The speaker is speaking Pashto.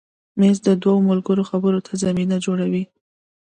مېز د دوو ملګرو خبرو ته زمینه جوړوي.